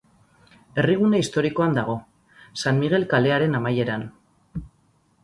Herrigune historikoan dago, San Migel kalearen amaieran.